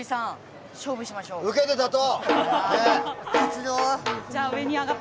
受けて立とう！